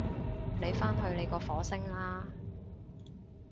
你返去你個火星啦